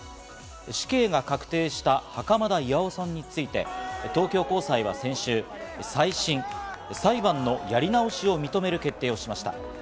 死刑が確定した袴田巌さんについて東京高裁は先週、再審＝裁判のやり直しを認める決定をしました。